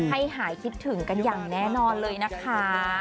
ให้หายคิดถึงกันอย่างแน่นอนเลยนะคะ